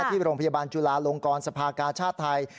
ที่โรงพยาบาลจุลาลงกรสภากาชาติไทย